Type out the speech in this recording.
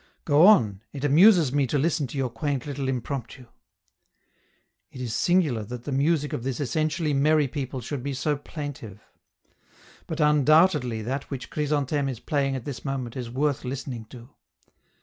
"Go on, it amuses me to listen to your quaint little impromptu." It is singular that the music of this essentially merry people should be so plaintive. But undoubtedly that which Chrysantheme is playing at this moment is worth listening to.